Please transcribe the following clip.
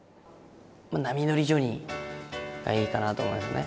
まあ、波乗りジョニーがいいかなと思いますね。